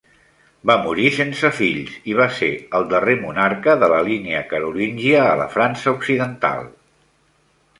Va morir sense fills i va ser el darrer monarca de la línia carolíngia a la França Occidental.